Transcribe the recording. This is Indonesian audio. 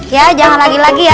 ya jangan lagi lagi ya